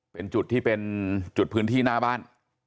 เป็นจุดที่เป็นจุดพื้นที่หน้าบ้าน